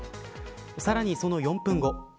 さらにその４分後。